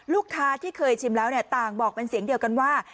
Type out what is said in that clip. ลูกค้าที่เคยชิมแล้วเนี่ยต่างบอกเป็นเสียงเดียวกันว่า